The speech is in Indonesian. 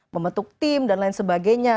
membentuk tim dan lain sebagainya